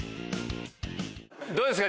どうですか？